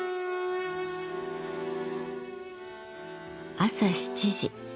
朝７時。